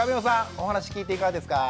お話聞いていかがですか？